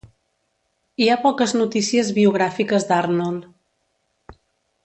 Hi ha poques notícies biogràfiques d'Arnold.